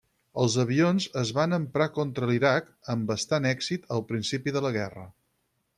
Els avions es van emprar contra l'Iraq, amb bastant èxit al principi de la guerra.